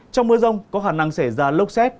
trong mưa rông có khả năng xảy ra lốc xét